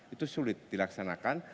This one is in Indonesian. itu sulit dilaksanakan